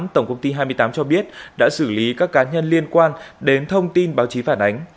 tổng công ty hai mươi tám cho biết đã xử lý các cá nhân liên quan đến thông tin báo chí phản ánh